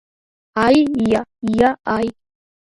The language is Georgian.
აი ია ია აი